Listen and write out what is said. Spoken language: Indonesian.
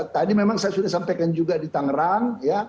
tadi memang saya sudah sampaikan juga di tangerang